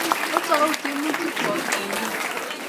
Otou tyemutikwok au yo?